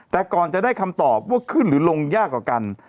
แต่ก่อนจะได้คำตอบว่าขึ้นหรือลงยากกว่ากัน